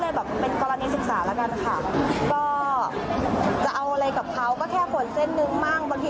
แต่ลักษณะขนมันไม่ใช่เส้นกลม